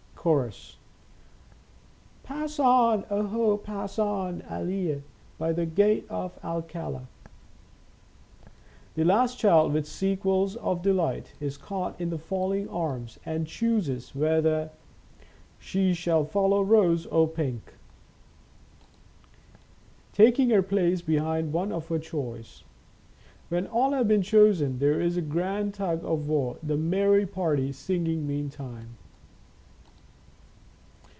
Chorus. " Pass on, oho, pass on, aha ! By the Gate of Alcala." The last child, with squeals of delight, is caught in the falling arms, and chooses whether she shall follow Rose or Pink, taking her ioo Our Little Spanish Cousin place behind the one of her choice. When all have been chosen, there is a grand tug of war, the merry party singing, meantime.